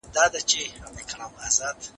تعصب ګډ ژوند ستونزمن کوي